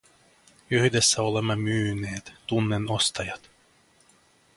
Yhdessä olemme myyneet, tunnen ostajat.